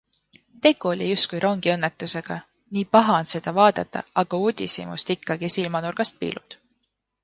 Tegu oli justkui rongiõnnetusega - nii paha on seda vaadata, aga uudishimust ikkagi silmanurgast piilud.